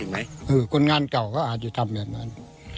คุณงานเก่าก็จะทำอย่างนั้น